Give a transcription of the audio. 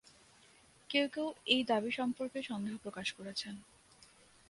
কেউ কেউ এই দাবি সম্পর্কে সন্দেহ প্রকাশ করেছেন।